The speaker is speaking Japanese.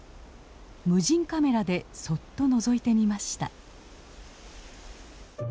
無人カメラでそっとのぞいてみました。